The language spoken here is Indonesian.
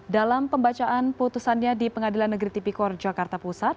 dalam pembacaan putusannya di pengadilan negeri tipikor jakarta pusat